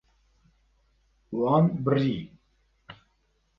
Wan birî.